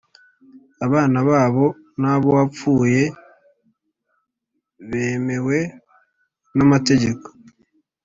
abana babo n ab uwapfuye bemewe nam tegeko